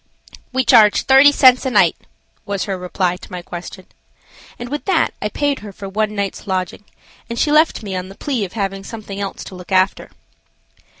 "We charge thirty cents a night," was her reply to my question, and with that I paid her for one night's lodging, and she left me on the plea of having something else to look after.